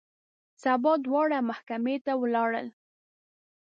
سبا دواړه محکمې ته ولاړل.